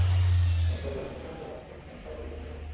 অনেক বাড়িওয়ালা মনে করেন যারা, একা থাকেন তারা বাড়িঘর নোংরা করে।